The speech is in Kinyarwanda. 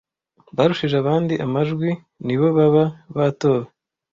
barushije abandi amajwi nibo baba batowe